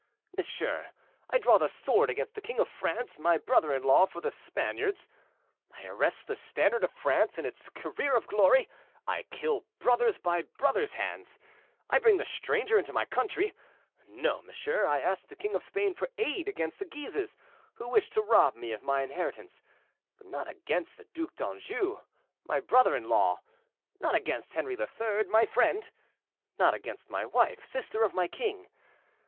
monsieur. I draw the sword against the king of France, my brother in law, for the Spaniards; I arrest the standard of France in its career of glory; I kill brothers by brothers' hands; I bring the stranger into my country! No, monsieur; I asked the king of Spain for aid against the Guises, who wish to rob me of my inheritance, but not against the Duc d'Anjou, my brother in law; not against Henri III., my friend; not against my wife, sister of my king.